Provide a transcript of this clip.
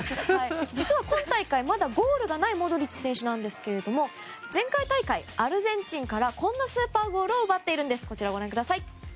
実は今大会まだゴールがないモドリッチ選手なんですが前回大会、アルゼンチンからこんなスーパーゴールを奪っているんです。